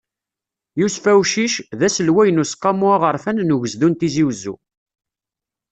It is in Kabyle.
Yusef Awcic, d aselway n useqqamu aɣerfan n ugezdu n Tizi Uzzu.